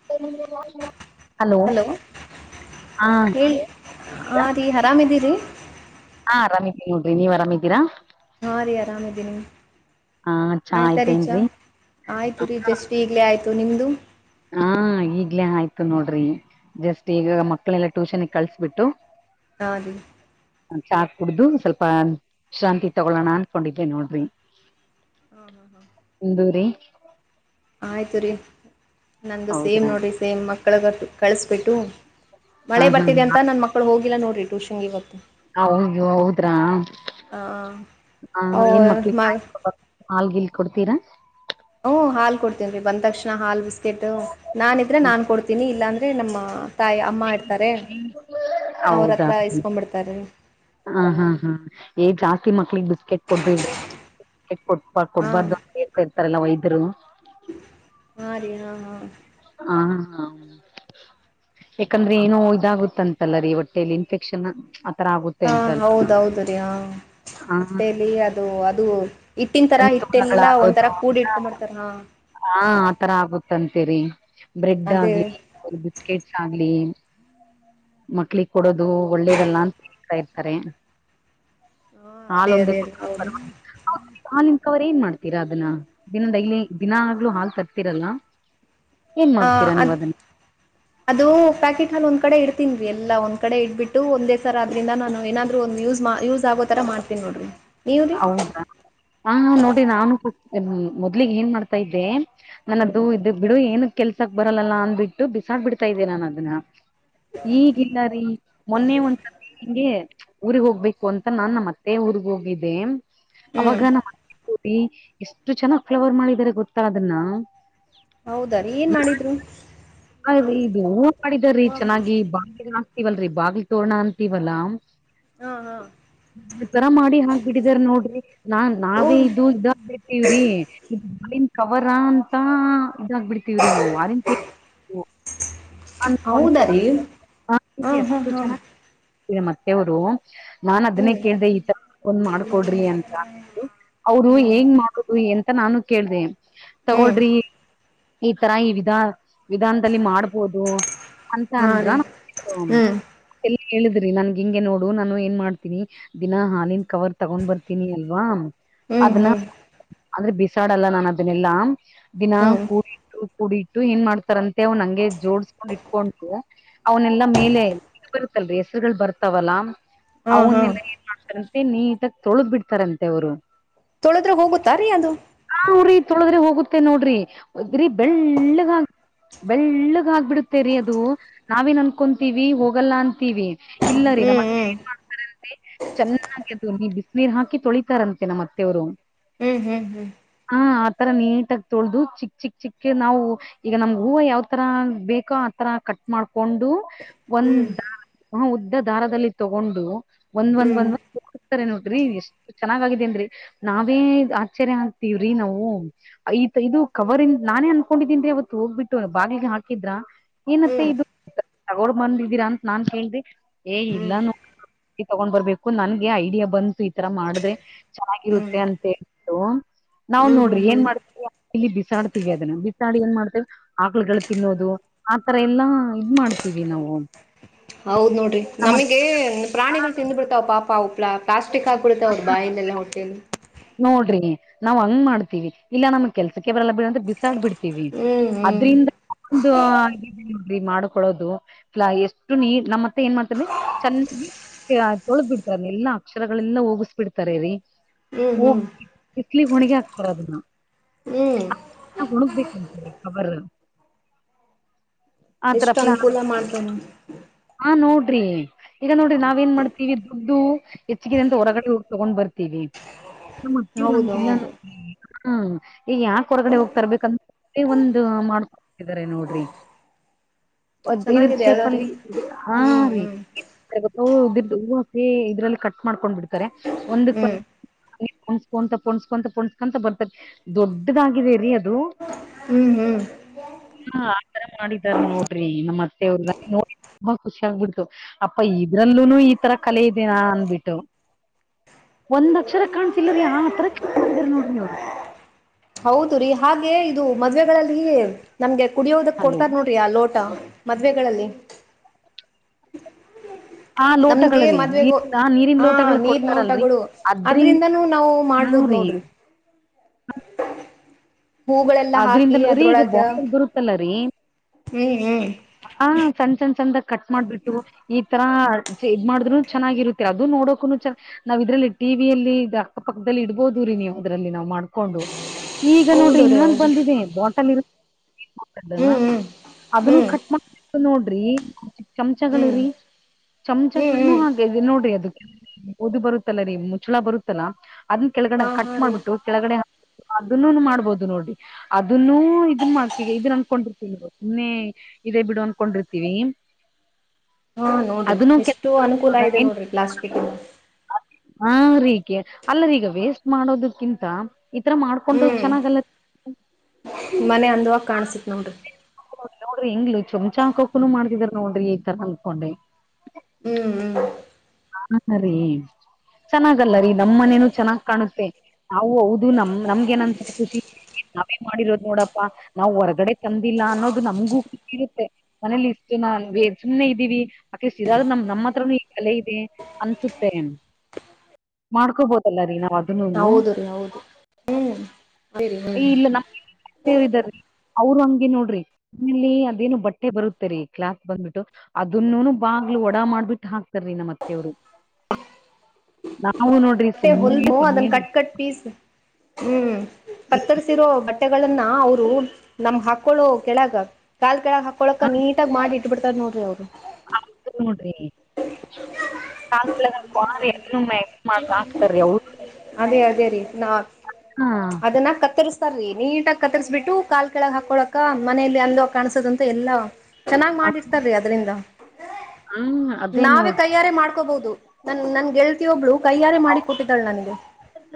[inaudible] Hello ಹಾ ಹೇಳಿ ಹಾ ಹಾ ರೀ ಆರಾಮಿದ್ದೀರಿ ಹಾ ಆರಾಮಿದೀ ನೋಡ್ರಿ ನೀವ ಆರಾಮಿದ್ದೀರಾ ಹಾ ರೀ ಆರಾಮಿದ್ದೀನಿ ಹಾ ಚಾ ಆಯ್ತಾ ರೀ ಚಾ ಆಯ್ತೇನ್ರಿ ಆಯ್ತು ರೀ ಜಸ್ಟ್ ಈಗ್ಲೇ ಆಯ್ತು ನಿಮ್ಮದು ಹಾ ಈಗ್ಲೇ ಆಯ್ತು ನೋಡ್ರಿ ಜಸ್ಟ್ ಈಗ ಮಕ್ಕಳೆಲ್ಲ ಟ್ಯೂಷನ್ ಗೆ ಕಳಸಬಿಟ್ಟು. [unintelligible] ಚಾ ಕುಡ್ದು ಸ್ವಲ್ಪ ಶಾಂತಿ ತಗೊಳೋಣ ಅನ್ಕೊಂಡಿದ್ದೆ ನೋಡ್ರಿ. [inaudible] ನಿಂದು ರಿ. ಆಯಿತು ರೀ ನಂದು ಸೇಮ್ ಹೌದ್ರಾ ನೋಡಿರಿ ಸೇಮ್ ಮಕ್ಕಳಗು ಕಳಿಸ್ಬಿಟ್ಟು. ಹಾ ಮಳೆ ಹಾ ಬರ್ತಿದೆ ಅಂತ ನನ್ ಮಕ್ಕಳು ಹೋಗಿಲ್ಲ ನೋಡ್ರಿ ಟೂಷನ್ ಇವತ್ತು. ಹೌದ ಹೌದ್ರಾ ಹಾಂ ಓ ಏನ್ ಮಕ್ಳಿಗೆ ಮ [unintelligible] ಹಾಲ್ಗಿಲ್ ಕೊಡ್ತೀರಾ. ಹ್ ಹಾಲ್ ಕೊಡ್ತೀನ್ ರೀ ಬಂದ ತಕ್ಷಣ ಹಾಲ್ ಬಿಸ್ಕೆಟ್ ನಾನ್ ಇದ್ರೆ ನಾನ್ ಕೊಡ್ತೀನಿ ಇಲ್ಲಾಂದ್ರೆ. ರೀ ನಮ್ಮ ತಾಯಿ ಅಮ್ಮ ಇರ್ತಾರೆ ಅವ್ರ ಹೌದಾ ಹತ್ರ ಇಸ್ಕೊಂಡ್ಬಿಡ್ತಾರೆ ರಿ. ಹ ಹ್ಮ್ ಹ್ಮ ಹೆ ಜಾಸ್ತಿ ಮಕ್ಕಳಿಗ್ ಬಿಸ್ಕೆಟ್ ಕೊಡ್ಬೇಡ ರಿ. ಕೊಬ ಹಾಂ ಕೊಡ್ಬಾರ್ದು ಹೇಳ್ತಾ ಇರ್ತಾರಲ್ಲ ವೈದ್ಯರು. ಹಾ ರೀ ಹಾ ಹಾ. ಹ ಹಾ. ಯಾಕಂದ್ರೆ ಏನೋ ಇದಾಗುತ್ತಂತಲ್ಲ ರೀ ಹೊಟ್ಟೇಲಿ ಇನ್ಫೆಕ್ಷನ್. ಆತರ ಆಗುತ್ತೆ ಹಾ ಅಂತಲ್ಲ ಹೌದು ಹೌದು ರೀ ಅ ಹ ಹೊಟ್ಟೇಲಿ ಅ ಅದು ಇಟ್ಟಿನ ತರ ಇಟ್ಟೆಲ್ಲಾ ಒಂದ ಜಂತುಗಳಾಗೋದು ತರ ಕೂಡಿ ಇಟ್ಕೊಂಬಡ್ತಾರ. ಹಾ ಆತರ ಆಗುತ್ತೆ ಅಂತೆ ರೀ ಬ್ರೆಡ್ ಅದೇ ಆಗ್ಲಿ ಅವ ಬಿಸ್ಕೆಟ್ಸ್ ಆಗ್ಲಿ. ಮಕ್ಕಳಿಗ್ ಕೊಡೋದು ಒಳ್ಳೇದಲ್ಲ ಅಂತ ಹೇಳ್ತಾ ಇರ್ತಾರೆ. ಹಾ ಅದೇ ಅದೇ ಹೌದು. ಹಾಲಿನ್ ಕವರ್ ಏನ್ ಮಾಡ್ತೀರಾ ಅದನ್ನ ಇನ್ನ ಡೈಲಿ ದಿನಾಗ್ಲೂ ಹಾಲ್ ತರ್ತಿರಲ್ಲ. ಏನ್ ಆ ಮಾಡ್ತೀರಾ ಅದ. ನೀವ್ ಅದನ್ನ ಅದು ಪ್ಯಾಕೆಟ್ ನ ಒಂದ್ ಕಡೆ ಇಡ್ತೀನಿ ರ ಎಲ್ಲ ಒಂದ್ ಕಡೆ ಇಟ್ಬಿಟ್ಟು ಒಂದೇ ಸರ ಅದ್ರಿಂದ ನಾನು ಏನಾದರೂ ಒಂದು ಯಸ್ ಮಾ ಯೂಸ ಮ ಸ ಆಗೋತರ ಮಾಡ್ತನಿ ನೋಡ್ರಿ. ನೀವು ರೀ ಹೌದಾ ಹಾ ನೋಡಿರಿ ನಾನು ಮೊದ್ಲಿಗ ಏನ್ ಮಾಡ್ತಾ ಇದ್ದೆ. ನನ್ನದು ಇದ ಬಿಡು ಏನ ಕೆಲ್ಸಕ್ ಬರಲ್ಲಾ ಅಂದ್ಬಿಟ್ಟು ಬಿಸಾಕ್ ಬಿಡ್ತಾ ಇದ್ದೆ ನಾನ್ ಅದನ್ನ. ಈಗಿಲ್ಲ ರೀ ಮೊನ್ನೆ ಒಂದ್ಸಲ. ಹಿಂಗೆ ಊರಿಗ್ ಹೋಗ್ಬೇಕು ಅಂತ ನಾನ್ ನಮ್ಮ ಮತ್ತೆ ಊರ್ಗ್ ಹೋಗಿದ್ದೆ. ಹ್ಮ್ ಅವಾಗ ನಮ್ಮ ಅತ್ತೆ ಸೊಸೆ ಎಷ್ಟು ಚೆನ್ನಾಗ್ ಫ್ಲವರ್ ಮಾಡಿದಿದ್ದಾರೆ ಗೊತ್ತಾ ಅದನ್ನ. ಹೌದಾ ರೀ ಏನ್ ಮಾಡಿದ್ರು. ಅ ಇದು ಹೂ ಮಾಡಿದಾರ್ರೀ ಚೆನ್ನಾಗಿ ಬಾಗ್ಲಿಗಳ ಹಕ್ತತಿವಲ್ರರಿ ಬಾಗಿಲಿ ತೋರ್ರಣ ಅಂತೀವಲ್ಲ. ಹಾ ಹಾ ತರ ಮಾಡಿ ಹಾಕ್ಬಿಟ್ಟಿದಾರ ನೋಡ್ರಿ ನಾ ತೋ ನಾವೇ ಇದು ಇದ. ವ್ರಿ ಕವರ ಅಂತ ಇದಾಗಬಿಡ್ತೀವ್ರಿ ನಾವು ಆರೆಂಜ್ ಪೇ. ಹೌದಾ ಅನ್ಕೊಂಡಕೊಂಡ ರೀ ಹಾ ಹಾ ಅಷ್ಟು ಹಾ ಚನ್ನಗ. ಮತ್ತೆ ಅವರು ನಾನ್ ಅದನ್ನೇ ಹ್ಮ್ ಕೇಳ್ದ ಈ ತರ ಒಂದ್ ಮಾಡ್ಕೊಡ್ರಿ ಅಂತ. ಅವರು ಹ್ಮ್ ಹೆಂಗ್ ಮಾಡುದು ಎಂತ ನಾನು ಕೇಳ್ದೆ ಹ್ಮ್ ತಗೋಳ್ರಿ. ಈ ತರ ಈ ವಿಧ. ವಿಧಾನದಲ್ಲಿ ಮಾಡ್ಬೋದು ಅಂತ ಹಾ ಅಂದ್ರ. ರೀ ಹ್ಮ್ ಎಲ್ಲ ಹೇಳಿದ್ರಿ ನನ್ ಹಿಂಗೆ ನೋಡು ನಾನು ಏನ್ ಮಾಡ್ತೀನಿ. ದಿನಾ ಹಾಲಿನ ಕವರ್ ತಗೊಂಡ್ ಬರ್ತೀನಿ ಅಲ್ವಾ. ಹ್ಮ್ ಅದನ್ನ ಹ್ಮ್ ಅಂದ್ರೆ ಬಿಸಾಡಲ್ಲ ನಾನು ಅದನ್ನೆಲ್ಲಾ ದಿನ ಹ್ಮ್ ಕೂ ಕೂಡಿಟ್ಟು ಕೂಡಿಟ್ಟು ಏನ್ ಮಾಡ್ತಾರಂತೆ ಅವ್ನ್ ನಂಗೆ ಜೋಡ್ಸ್ಕೊಂಡ್ ಇಟ್ಕೊಂಡು. ಅವನೆಲ್ಲಾ ಮೇಲೆ ಇದು ಬರುತ್ತಲ್ರರಿ ಹೆಸರುಗಳು ಬರ್ತಾವಲ್ಲ. ಹಾ ಹಾ ಅವನ್ನೆಲ್ಲ ಏನ್ ಮಾಡ್ತಾರಂತೆ ನೀಟಾಗ್ ತೊಳದ್ ಬಿಡ್ತಾರಂತೆ ಅವ್ರು. ತೊಳದ್ರೆ ಹೋಗುತ್ತಾ ರೀ ಅದು. ಹಾಹು ರೀ ತೊಳದ್ರೆ ಹೋಗುತ್ತೆ ನೋಡ್ರಿ ಅ ಬಿರೀ ಬೆಳ್ಳಗ ಆ ಬೆಳ್ಳಗ್ ಆಗ್ಬಿಡುತ್ತೇರಿ ಅದು ನಾವೇನ್ ಅನ್ಕೊಂತೀವಿ ಹೋಗಲ್ಲ ಅಂತೀವಿ. ಇಲ್ಲ ರೀ ನಮ ಹ್ಮ್ ಅಕ್ಕ ಏನ ಹ್ಮ್ ಮ ಚೆನ್ನಾಗಿ ಅದು ನೀ ಬಿಸಿನೀರ್ ಹಾಕಿ ತೊಳಿತಾರಂತೆ ನಮ್ ಅತ್ತೆ ಅವ್ರು. ಹ್ಮ್ ಹ್ಮ್ ಹ್ಮ್. ಹಾ ಆತರ ನೀಟಾಗಿ ತೊಳ್ದದು ಚಿಕ್ ಚಿಕ್ ಚಿಕ್ಕ ನಾವು ಈಗ ನಮ್. ಹೂವು ಯಾವ್ತರ ಬೇಕೋ ಆತರ ಕಟ್ ಮಾಡ್ಕೊಂಡು ಹ್ಮ್ ಒಂದ. ಹ ಉದ್ದ ದಾರದಲ್ಲಿ ತಗೊಂಡು ಒಂದ್ ಒಂದ್ ಹ್ಮ್ ಒಂದ್ಂದ್ತಾರೆ ನೋಡ್ರಿ ಎಷ್ಟ. ಚೆನ್ನಾಗಿದೇನ್ರಿ ನಾವೆ ಆಶ್ಚರ್ಯ ಆಗ್ತವ್ರಿ ನಾವು. ಈತ್ ಇದು ಕವರ್ ಇಂದ ನಾನೇ ಅನ್ಕೊಂಡಿದೀನ್ರಿ ಅವತ್ತು ಹೋಗ್ಬಿಟ್ಟು. ಬಾಗಿಲಿಗೆ ಹಾಕಿದ್ರ ಹ್ಮ್ ಹ್ಮ್ ಏನತ್ತೆ ಇದು. ಹ್ಮ್ ತಗೋಂಡ ಬಂದಿದ್ದೀರಾ ಅಂತ ನಾನ್ ಕೇಳ್ರಿ ಏ ಹ್ಮ್ ಇಲ್ಲಾನು. ತಗೊಂಡ್ ಬರ್ಬೇಕು ನನ್ಗೆ ಐಡಿಯಾ ಬಂತು ಈತರ ಮಾಡಿದ್ರೆ. ಚೆನ್ನಾಗಿರುತ್ತೆ ಹ್ಮ್ ಅಂತ ಹೇಳ್ದುಳು. ನಾವ್ ನೋಡ್ರಿ ಹ್ಮ್ ಏನ್ ಹ್ಮ್ ಮಾಡ್ತೀವಿ ಅಲ್ಲಿ ಇಲ್ಲಿ ಬಿಸಾಡ್ತೀವಿ ಅದನ್ನ ಬಿಸಾಡಿ ಏನ್ ಮಾಡ್ತೇವಿ. ಆಕ್ಳಗಳು ತಿನ್ನೋದು ಆತರ ಎಲ್ಲಾ ಇದ್ ಮಾಡ್ತೀವಿ ನಾವು. ಹೌದು ನೋಡ್ರಿ ನಮ್ಮ ನಮಗೆ ಪ್ರಾಣಿಗಳು ತಿಂದು ಬಿಡ್ತಾವ್ ಪಾಪ ಪ್ಲ. ಪ್ಲಾಸ್ಟಕ್ ಹಾಕ್ಬುಡ್ತಾವ್ ಬಾಯ್ಲೆಲ್ಲ ಹೊಟ್ಟೇಲಿ. ನೋಡ್ರಿ ನಾವ್ ಹಂಗ್ ಮಾಡ್ತೀವಿ ಇಲ್ಲ ನಮ್ಗ್ ಕೆಲ್ಸಕ್ಕೆ ಬರಲ್ಲ ಬಿಡ್ ಅಂತ ಬಿಸಾಕ್ ಬಿಡ್ತವಿ. ಹ್ಮ್ ಹ್ಮ್ ಅದ್ರಿಂದಡರಿ ಒಂದ ಇದು ಇದೆಲ್ಲ ರಿ ಮಾಡಕೊಳ್ಳೋದು. ಇಲಾ ಎಷ್ಟು ನೀರ್ ನಮ್ಮತ್ತೆ ಏನ್ ಮಾಡ್ತಂದ್ರೆ ಚೆನ್ನಾಗಿ. ತೊಳದ್ಬಿಡ್ತಾರ ಎಲ್ಲ ಅಕ್ಷರಗಳೆಲ್ಲಾ ಹೋಗಿಸ್ ಬಿಡ್ತಾರೆರಿ. ಹ್ಮ್ ಹೋಗ್ ಹ್ಮ್ ಬಿಸಲಿ ಗೆ ಹೊಣಗಿ ಹಾಕ್ತಾರ ಅದನ್ನ. ಹ್ಮ್ ಹುಣಗ್ಬೇಕಂತ ಕವರ್. [inaudible] ಆತರ ಪಲಾನ್ ಅನುಕೂಲ ಮಾಡ್ತಾನ ಹ ನೋಡ್ರಿ. ಈಗ ನೋಡ್ರಿ ನಾವ ಏನ್ ಮಾಡ್ತೀವಿ ದುಡ್ಡು ಹೆಚ್ಚಿಗೆ ಅಂತ ಹೊರಗಡೆ ಹೋಗಿ ತಗೊಂಡ್ ಬರ್ತೀವಿ. ನಮ್ಮ ಅತ್ತಿರ ಹಂಗಿಲ್ಲ ಹೌದೌದು ಹ್ಮ್ ಈ ಯಾಕ ಹೊರಗಡೆ ಹೋಗ್ತರ್ಬೇಕಂತ. ಎ ಒಂದ ಮಾಡ್ಕೊತಿದ್ದಾರೆ ನೋಡ್ರಿ. ಒಂದ ಇರ್ದ ಚೆನ್ನಾಗಿದೆ ಅಲ್ಲ ರೀ ಶೇಪಲ್ಲಿ ಇದ ಹಾ ಹ್ಮ್ ರೀ. ಹ್ಮ್ ತ್ತು ಹ ಇದ ಹೂ ಹಕಿ ಇದ್ರಲ್ಲಿ ಕಟ್ ಮಾಡ್ಕೊಂಡ್ ಬಿಡ್ತಾರೆ ಒಂದಕ್ ಹ್ಮ್ ಪೋಣ್ಕೊಂತ ಪುಣ್ಸ್ಕೊಂತ ಪುಣ್ಸ್ಕೊಂತ ಬರ್ತದ ದೊಡ್ಡದಾಗಿದೆ ರಿ ಅದು. ಹ್ಮ್ ಹ್ಮ್. ಹಾ ಆತರ ಮಾಡಿದಾರ ನೋಡ್ರಿ ನಮ್ಮ್ ಅತ್ತೆ ಅವ್ರ ನೋಡ. ತುಂಬಾ ಖುಷಿ ಆಗ್ಬಿಡ್ತು ಅಪ್ಪ ಇದ್ರಲ್ಲೂನು ಈ ತರ ಕಲೆ ಇದೀನಾ ಅಂದಬಿಟ್ಟು. ಒಂದ್ ಅಕ್ಷರ ಕಾಣ್ಸಿಲ್ಲರೀ ಆ ತರ ಕ್ಲೀನ್ ಮಾಡಿದ್ರ ನೋಡ್ರಿ ಅವ್ರು. ಹೌದು ರೀ ಹಾಗೆ ಇದು ಮದ್ವೆಗಳಲ್ಲಿ ನಮ್ಗೆ ಕುಡಿಯೋದಕ್ ಹಲೋ ಕೊಡ್ತಾರ ನೋಡ. ಆ ಲೋಟ ಮದವೆಗಳಲ್ಲಿ. ಆ ನಮ್ಗೆ ಲೋಟಗಳರಿ ಮದ್ವೆಗ ನೀರ್ ಆ ನೀರಿನ ಹ ಲೋಟಗಳು ನೀರ್ ಕೊಡ್ತಾರಲ್ರರಿ ನೋಟಗಳು ಅದ್ರಿಂದ ಅದ್ರಿಂದನೂ ನಾವು. ಹಾ ಮಾಡ್ಬೋದು ರೀ ನೋಡ್ರಿ. ಹೂಗಳೆಲ್ಲ ಅದ್ರಿಂದ ಹಾಕಿ ರೀ ಈಗ ಅದ್ರೊಳಗ ಬಾಟಲ್ ಬರುತ್ತಲ್ಲ ಹ್ಮ್ ಹ್ಮ್. ಹ ಸಣ್ಣ ಸಣ್ಣ ಸಣ್ಣದಾಗ ಕಟ್ ಮಾಡ್ಬಿಟ್ಟು ಈ. ಈ ತರ ಇದ ಮಾಡ್ನು ಚೆನ್ನಾಗಿರುತ್ತೆ ಅದು ನೋಡೋಕು ಚ. ನಾವ್ ಇದ್ರಲ್ಲಿ ಟಿವಿಯಲ್ಲಿ ಅಕ್ಕ ಪಕ್ಕದಲ್ಲಿ ಇಡ್ಬೋದು್ರೀ ನೀವು ಅದ್ರಲ್ಲಿ ನಾವ್ ಮಾಡ್ಕೊಂಡು. ಈಗ ನೋಡ್ರಿ ಹೌದು ರೀ ಇನ್ನೊಂದ್ ಹೌದು ಬಂದಿದೆ ಬಾಟಲ್, [unintelligible] ಇರು ಹ್ಮ್ ಹ್ಮ್ ಅದನ್ನು ಕಟ್ಟ. ನೋಡ್ರಿ [unintelligible] ಚಮಚಗಳು ಹ್ಮ್ ಹ್ಮ್ ರೀ ಹ್ಮ್ ಚಮಚಗಳುನು ಹ್ಮ್ ಹಾಗ. [unintelligible] ನೋಡ್ರಿ ಅದು ಇದು ಬರುತ್ತಲ್ಲ ರೀ ಮುಚ್ಚಳ ಬರುತ್ತಲ್ಲಾ ಅದನ್ನ ಕೆಳಗಡೆ ಹಾ ಕಟ್ ಹಾ ರೀ ಮಾಡ್ಬಿಟ್ಟು. ಕೆಳಗಡೆ [unintelligible] ಅದನ್ನು ಮಾಡ್ಬೋದು ನೋಡಿ. ಅದನ್ನು ಇದನ್ ಮಾಡ್ತವಿ ಇದನ್ ಅನ್ಕೊಂಡಿರ್ತಿರಿ ನೀವು ನಿನ್ನೆ. ಇದೇ ಬಿಡು ಅನ್ಕೊಂಡಿರ್ತೀವಿ. ಹಾ ನೋಡ್ರಿ ಅದನ್ನು ಎಷ್ಟು ಅನುಕೂಲ ಇದೆ. ಏನ್ ನೋಡ್ರಿ ಪ್ಲಾಸ್ಟಿಕ್ನು. ಹಾ ರೀಗೆ ಅಲ್ಲರಿ ಈಗ ವೇಸ್ಟ್ ಮಾಡೋದಕ್ಕಿಂತ. ಈ ತರ ಮಾಡ್ಕೊಂಡ್ರು ಹ್ಮ್ ಚೆನ್ನಾಗಲ್ಲ. ಮನೆ ಅಂದವಾಗಿ ಕಾಣ್ಸುತ್ತೆ ನೋಡ್ರಿ. ನೋಡ್ರಿ ಇಂಗುಳು ಚುಮಚಾ ಆಕೋನು ಮಾಡತಿದಾರ್ ನೋಡ್ರಿ ಈ ತರ ಅಂದಕೊಂಡ್ರಿ. ಹ್ಮ್ ಹ್ಮ್. ಆಗಲ್ಲಾ ರೀ ಚೆನ್ನಾಗಲ್ಲ ರೀ ನಮ್ಮನೇನೂ ಚೆನ್ನಾಗ್ ಕಾಣುತ್ತೆ. ನಾವು ಹೌದು ನಮ್ ನಮಗೇನು ಅನ್ಸಕತತಿ. ನಾವೇ ಮಾಡಿರೋದ್ ನೋಡಪ್ಪಾ ನಾವ್ ಹೊರಗಡೆ ತಂದಿಲ್ಲ ಅನ್ನೋದು ನಂಗುಗೊತ್ತಿರುತ್ತೆ. ಮನೇಲಿ ಇರ್ತೀವಿ ಸುಮನೆ ಇದ್ದೀವಿ ಅಟ್ಲೀಸ್ಟ್ ಇದಾದ್ರೂ ನಮ್ ಹತ್ರನು ಈ ಕಲೆ. [unintelligible] [unintelligible] ಅನ್ಸುತ್ತೆ ರೀ ಮಾಡ್ಕೋಬೋದಲ್ಲ ರೀ ನಾವ್. ಅದನ್ನುನು ಹೌದು ರೀ ಹೌದು ಹ್ಮ್. ೇವಾರೀ. [unintelligible] ಅವರು ಹಂಗೆ ನೋಡ್ರಿ. ಇಲ್ಲಿ ಅದೇನು ಬಟ್ಟೆ ಬರುತ್ತೆರಿ ಕ್ಲಾತ್ ಬಂದ್ಬಿಟ್ಟು. ಅದನ್ನು ಬಾಗ್ಲು ಒಡಾ ಮಾಡ್ಬಿಟ್ಟು ಹಾಕ್ತಾರಿ ನಮ್ಮ ಹತ್ತೆಯರು. ನಾವು ನೋಡ್. ಮತ್ತೆ ಹೊಲ್ಮು. [unintelligible] ಅದನ್ ಕಟ್ ಕಟ್ ಪಿಸ್ ಹ್ಮ್. ಏ- ಕತ್ತರ್ಸಿರೋ ಬಟ್ಟೆಗಳನ್ನ ಅವರು ನಮ್ ಹಾಕಳೋ ಕೆಳಗ. ಕಾಲ್ ಕೆಳಗೆ ಹಾಕೊಳಕ ನೀಟಾಗಿ ಮಾಡಿ ಇಟ್ ಬಿಡ್ತಾರೆ ನೋಡ್ರಿ ಅವರು. ಆಗ್ ನೋಡ್ರಿ ಕಲಾರ ಎಮ್ಮ. [unintelligible] ಹಾಕ್ತಾರಿ ಅವ್ರು. ಅದೇ ಅದೇ ರೀ ನಾ. ಹಾ. [unintelligible] ಅದನ್ನ ಕತ್ತರಿಸಸ್ತಾರೀ ನೀಟಾಗಿ ಕತ್ತರಿಸಬಿಟ್ಟು ಕಾಲ್ ಕೆಳಗ್ ಹಾಕೊಳಕ್ಕ ಮನಲಿ ಅಂದವಾಗಿ ಕಾಣಸದಂತ ಎಲ್ಲಾ. ಚೆನ್ನಾಗ್ ಮಾಡಿರ್ತಾರೀ ಅದ್ರಿಂದ ಹಾ ಅದೇ ನಾವೇ ನೋಡ್ರಿ ಕೈ ಯಾರೆ ಮಾಡ್ಕೋಬಹುದು. ನನ್ ನನ್ ಗೆಳತಿ ಒಬ್ಳು ಕೈಯಾರೆ ಮಾಡಿ ಕೊಟ್ಟಿದ್ದಾಳೆ. ನನಗೆ,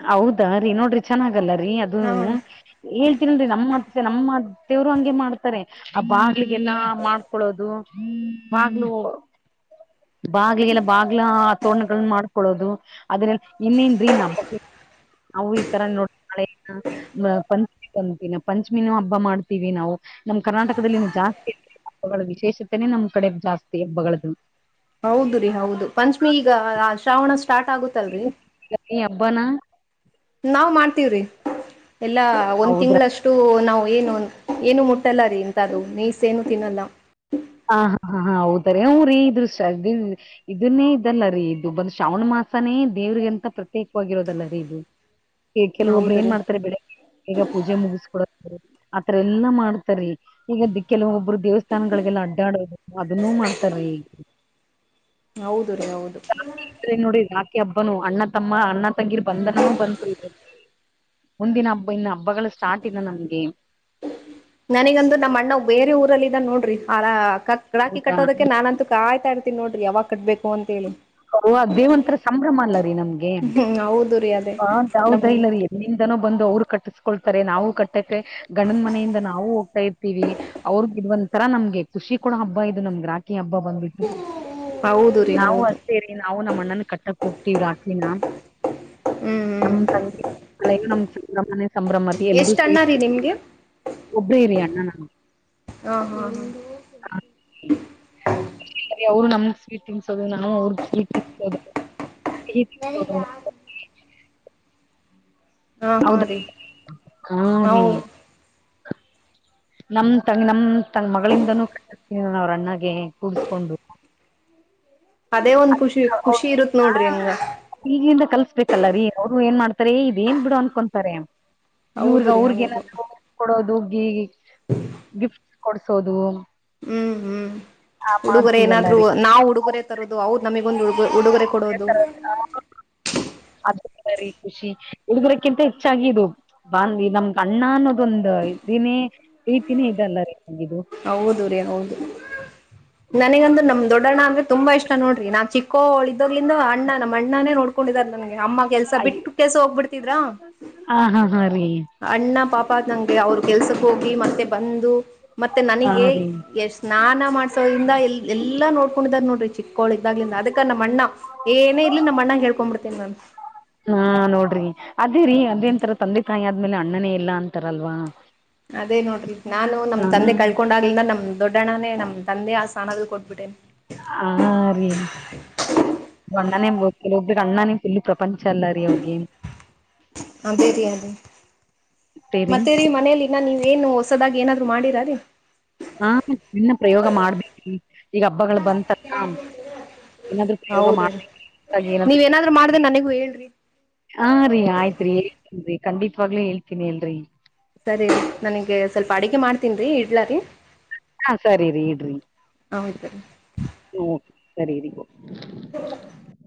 ಹೌದ ರೀ ನೋಡ್ರಿ ಚೆನ್ನಾಗಲ್ಲ ರೀ ಅದುನು. ಹಾ ಹೇಳ್ತೀನಲ್ರಿ ನಮ್ಮತ್ತೆ ನಮ್ಮತ್ತೇವ್ರು ಹಂಗೆ ಮಾಡ್. ಹಾ ಬಾಗ್ಲಿಗೆಲ್ಲ ಮಾಡ್ಕೊಳೋದು ಬಾಗ್ಲು. ಬಾಗ್ಲಿಗೆಲ್ಲ ಬಾಗ್ಲ ತೋರಣಗಳನ್ನ ಮಾಡ್ಕೊಳ್ಳೋದು. ಅದ್ರ ಇನ್ನೇನ್ರೀ ನಬ. [unintelligible] ನಾವು ಈತರ ನೋಡ್ರ ಮಳೆನಾ. [unintelligible] ಂತೀ ನ [unintelligible] ಪಂಚಮಿನ ಹಬ್ಬ ಮಾಡ್ತೀವಿ ನಾವು ನಮ್ಮ್ ಕರ್ನಾಟಕದಲ್ಲಿ ಜಾಸ್ತಿ. ಹಬ್ಬಗಳ ವಿಶೇಷತೆನೇ ನಮ್ಮ್ ಕಡೆ ಜಾಸ್ತಿ ಹಬ್ಬಗಳ್ದು. ಹೌದು ರೀ ಹೌದು ಪಂಚಮಿ ಈಗ ಶ್ರಾವಣ ಸ್ಟಾರ್ಟ್ ಆಗುತ್ತಲ್ರರಿ. [unintelligible] ಅಬ್ಬಾನ. ನಾವ್ ಮಾಡ್ತೀವ್ರಿ ಎಲ್ಲಾ ಒಂದ್ ಹೌದ್ರ ತಿಂಗಗಳಷ್ಟು. ಒಟ್ಟು ನಾವು ಏನು ಏನು ಮುಟ್ಟಲ್ಲ ರೀ ಇಂತ ಅದು ಮೀಸ್ ಏನು ತಿನ್ನಲ್ಲ. ಹ ಹಾ ಹಾ ಹಾ ಹೌದ್ರ ಅವ್ರೀ. [unintelligible] ಇದ್ಷ್ಟನ್. ಇದನ್ನೇ ಇದಲ್ಲರಿ ಇದು ಬಂದು ಶ್ರಾವಣ ಮಾಸನೇ ದೇವ್ರಿಗೆಂತ ಪ್ರತ್ಯೇಕವಾಗಿರೋದಲ್ಲರಿ ಇದು. [inaudible] ಈ ಕೆಲವೊಬ್ರು ಹೌದು ಏನ್ ರೀ ಮಾಡ್ತಾರೆ ಬೆಳಗ್ಗೆ. ಬೇಗ ಪೂಜೆ ಮುಗಿಸ್ಕೊಡ ಆತರ ಎಲ್ಲಾ ಮಾಡ್ತಾರಿೀ ಈಗ ಕೆಲವೊ. ಒಬ್ಬರು ದೇವಸ್ಥಾನಗಳಿಗೆಲ್ಲ ಅಡ್ಡಾಡೋದು ಅದನ್ನೂ ಮಾಡ್ತಾರ್ರೀ ಈ. ಹೌದು ರೀ ಹೌದು. ಅೆ ನೋಡಿ ರಾಕೆ ಹಬ್ಬನು ಅಣ್ಣ ತಮ್ಮ ಅಣ್ಣ ತಂಗಿರ್ ಬಂದನನುೂ ಬಂತ. ಮುಂದಿನ ಹಬ್ಬ ಇನ್ನ ಹಬ್ಬಗಳು ಸ್ಟಾರ್ಟ್ ಇಿನ ನಮಗೆ. ನನಗಂದು ನಮ್ಮ ಅಣ್ಣ ಬೇರೆ ಊರಲ್ಲಿ ಇದ ನೋಡ್ರಿ ಆ. ಕಡಾಕಿ ಹೌದಾ ಕಟ್ಟೋದಕ್ಕೆ ನಾನಂತೂ ಕಾಯ್ತಾ ಇರ್ತೀನಿ ನೋಡಿ ಯಾಗ ಕಟ್ಬೇಕು ಅಂತ ಹೇಳಿ. ಹ ದೇವಂತ್ರರ ಸಂಭ್ರಮ ಅಲ್ಲ ರೀ ನಮ್ಗೆ. ಹ್ಮ ಹೌದು ರರಿ ಅದ. ಬಾ ಯಾವದಾ ಇಲ್ಲ ರೀ ಎಲ್ಲಿಂದನೂ ಬಂದು ಅವ್ರು ಕಟ್ಟಿಸ್ಕೊಳ್ತಾರೆ ನಾವು ಕಟ್ಟ. ಕಟ್ಟಕೆ ಗಂಡನ ಮನೆಯಿಂದ ನಾವು ಹೋಗ್ತಾ ಇದವಿ. ಹೋಗ್ತೀವಿ ಅವ್ರ ಇದ ಒಂಂತರ ನಮ್ಗೆ ಖುಷಿ ಕೂಡ ಹಬ್ಬ ಇದು ನಮ್ಗೆ ರಾಕಿ ಹಬ್ಬ ಬಂದಬಿಟ್ಟು. ಹೌದು ರೀ ನಾವು ಹೌದು ಅಷ್ಟೇ ರೀ ನಾವು ನಮ್ಮ ಅಣ್ಣನ್ ಕಟ್ಟಕ್ ಹೋಗ್ತಿವಿ ರಾಕಿನಾ. ಹ್ಮ್ ನಮ್ ಹ್ಮ್ ತಂಗಿ ಕಳೆಯು ನಮ್ಗ್ ಸಂಭ್ರಮನೆ ಸಂಭ್ರಮ ರೀ ಎಲ್ರೂ ಎಷ್ಟ ಅಣ್ಣ ಸೇರ್. ರೀ ನಿಮ್ಗೆ ಒಬ್ಬ್ರೇ ಇರಿ ಅಣ್ಣನ. ಹ ಹಾ ಹಾ. [inaudible] ಅವ್ರು ನಮಗ್ ಸ್ವೀಟ್ ತಿನ್ಸೋದು ನಾನು ಅವ್ರಗ್ ಸ್ವೀಟ್ ತಿನ್ಸೋದು. ಹಾ ಹೌದಾ ಹಾ ರೀ [inaudible] ನಮ್ ತಂಗ್ ನಮ್ ತ ಮಗಳಿಂದನೂ ಕ ಅವ್ರ ಅಣ್ಣಗೆ ಕೂಡ್ಸ್ಕೊಂಡು. ಅದೇ ಒಂದ್ ಖುಷಿ ಖುಷಿ ಇರುತ್ತತ್ ನೋಡ್ರಿ ಹಂಗ. ಈಗಿಂದ ಕಲ್ಸ್ಬೇಕಲ್ಲ ರೀ ಅವ್ರು ಏನ್ ಮಾಡ್ತಾರೆ ಇದ ಏನ್ ಬಿಡು ಅನ್ಕೊತಾರೆ. ಹೌದು ಇವ್ರಗ ರೀ ಅವ್ರಗ ಹೌದು ಏನಾದ್ರು ಕೊಡೋದು ಗ ಗಿಫ್ಟ್ ಕೊಡ್ಸೋದು. ಹ್ಮ್ ಹ್ಮ್ ಆ ಹುಡುಗರ ಮಾಡ್ತೀವಲ್ಲ ಏನಾದ್ರು ರೀ ನಾವ್ ಹುಡುಗೊರೆ. ತದು ಅವದು ನಮಗೊಂದು ಉಡುಗ ಉಡುಗರೆ ಕೊಡೋದು. ಅದ ಬರಿ ಖುಷಿ ಹುಡುಗರಕ್ಕಿಂತ ಹೆಚ್ಚಾಗಿ ಇದು. ಬಾಂದವಿ ನಮ್ಗೆ ಅಣ್ಣ ಅನ್ನೋದೊಂದ ಇದನೇ ಪ್ರೀತಿನೇ ಇದಲ್ಲ ರೀ ಇದು. ಹೌದು ರೀ ಹೌದು. ನನಗಂದು ನಮಮ್ಮ ದೊಡ್ಡಣ್ಣಂದ್ರೆ ತುಂಬಾ ಇಷ್ಟ ನೋಡ್ರಿ ನಾ ಚಿಕ್ಕೋಳ ಇದ್ಲಂದ ಅಣ್ಣ ನಮ್ಮ್ ಅಣ್ಣನ ನೋಡ್. ನೋಕೊಂಡಿದಾರಲ್ಲ ನನ್ಗೆ ಅಮ್ಮ ಕೆಲ್ಸ ಬಿಟ್ಟು ಕೆಸ ಹೋಗ್ಬಿಡ್ತಿದ್ರ. ಹ ಹಾ ಹಾ ರೀ ಅಣ್ಣ ಪಾಪ ನಂಗೆ ಅವರು ಕೆಲ್ಸಕ್ಕೆ ಹೋಗಿ ಮತ್ತೆ ಬಂದು ಮತ್ತೆ ಹಾ ನನಗೆ ರೀ ಎಷ್ಟ. ನಾನ ಮಾಡ್ಸೋದ್ರಿಂದ ಎ ಎಲ್ಲಾ ನೋಡ್ಕೊಂಡಿದಾರ ನೋಡ್ರಿ. ಚಿಕ್ಕೋಳ ಇದ್ದಾಗ್ಲಿಂದ ಅದಕ್ಕ ನಮ್ಮ ಅ್ಣ ಏನೇ ಇರ್ಲಿ ನಮ್ಮ ಅಣ್ಣಗೆ ಹೇಳ್ಕೊಂಡ್ ಬಿಡುತ್ತೇನೀ ನಾನು‌. ಹಾ ನೋಡ್ರಿ ಅದೇ ರೀ ಅದೇಂತರ ತಂದೆ ತಾಯಿ ಆದ್ಮೇಲೆ ಅಣ್ಣನೇ ಇಲ್ಲ ಅಂತಾರಲ್ವಾ. ಅದೇ ನೋಡ್ರಿ ನಾನು ನಮ್ ಹಾ ತಂದೆ ಕಳ್ಕೊಂಡ. ನಲ ನಮ್ ದೊಡ್ಡಣನೇ ನಮ್ ತಂದೆ ಆ ಸ್ನಾನದ ಕೊಟ್ಬಿಟ್ಟೆ. ಹ ರೀ ಅಣ್ಣನೇ ಕೆ ಒಬ್್ದ ಅಣ್ಣನ. ಇಲ್ಲಿ ಪ್ರಪಂಚ ಅಲ್ಲ ರೀ ಅವ್ರಗೇ್. ಅದೇರಿ ಅದೇ ಮತ್ತೇರಿ ಮತ್ತೆ ರೀ ಮನೆಯಲ್ಲಿ. ಇನ್ನ ನೀವ ಏನು ಹೊಸದಾಗಿ ಏನಾದ್ರು ಮಾಡಿರ ರೀ. ಹಾ ಇನ್ನ ಪ್ರಯೋಗ ಮಾಡ್ಬಿ ಈಗ ಹಬ್ಬಗಳು ಬಂತಾರ. ಇನ್ನದುೋಗ ಹೌದ ಮಾಡ ರೀ ಜೀನ. ನೀವೇನಾದ್ರು ಮಾಡ್ದೆ ನನಗೂ ಹೇಳ್ರಿ ಹಾ ರರಿೀ ಆಯ್ತ್ರಿ ಹೇಳ್ತೀನ್ ಖಂಡಿತವಾಗ್ಲೇ ಹೇಳ್ತೀನಿ ಅಲ್ರರಿ. ಸರಿ ನನಗೆ ಸ್ವಲ್ಪ ಅಡಗೆ ಮಾಡ್ತೀನ್ ರೀ ಇಡ್ಲಾರಿ ಹಾ ಸರಿ ರೀ ಇಡ್ರಿ ಹೌದ ರೀ ಹ್ಮ ಸರಿ ರಿ [unintelligible]